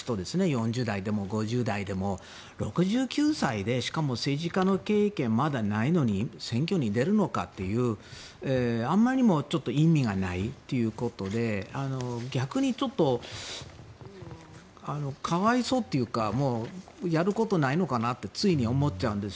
４０代でも５０代でも６９歳で、しかも政治家の経験がまだないのに選挙に出るのかというあまりにも意味がないということで逆にちょっと可哀想というかやることないのかなってつい、思っちゃうんです。